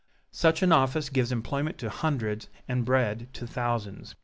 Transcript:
Such an office gives employment to hundreds and bread to thousands.